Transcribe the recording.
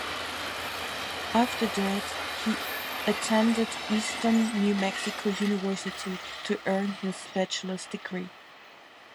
After that he attended Eastern New Mexico University to earn his Bachelor's Degree.